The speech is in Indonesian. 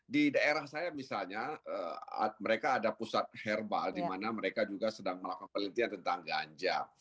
di daerah saya misalnya mereka ada pusat herbal di mana mereka juga sedang melakukan penelitian tentang ganja